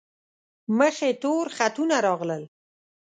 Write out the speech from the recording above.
مخ یې تور خطونه راغلل.